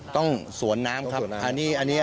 ต้องสวนน้ำครับต้องสวนน้ำครับ